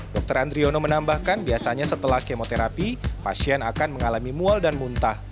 dr andriono menambahkan biasanya setelah kemoterapi pasien akan mengalami mual dan muntah